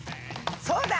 そうだ！